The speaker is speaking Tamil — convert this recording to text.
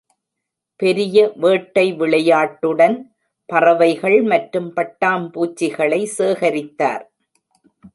பெரிய வேட்டை விளையாட்டுடன், பறவைகள் மற்றும் பட்டாம்பூச்சிகளை சேகரித்தார்.